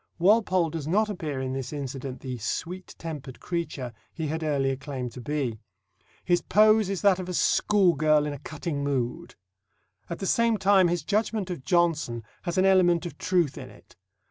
Walpole does not appear in this incident the "sweet tempered creature" he had earlier claimed to be. His pose is that of a schoolgirl in a cutting mood. At the same time his judgment of Johnson has an element of truth in it.